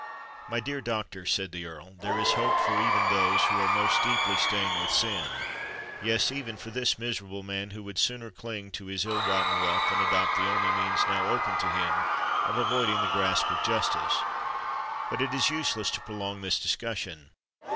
"My dear doctor," said the Earl, "there is hope for even those who are most deeply stained with sin—yes, even for this miserable man, who would sooner cling to his ill got wealth than adopt the only means now open to him of avoiding the grasp of justice. But it is useless to prolong this discussion.